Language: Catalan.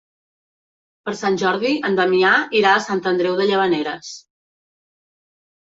Per Sant Jordi en Damià irà a Sant Andreu de Llavaneres.